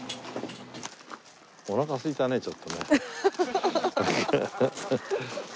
おなかすいたねちょっとね。